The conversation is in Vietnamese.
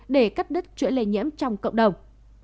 để cắt đứt chuỗi lây nhiễm trong cộng đồng